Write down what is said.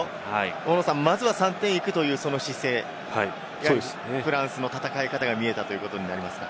まずは３点いくという姿勢、フランスの戦い方が見えたということになりますね。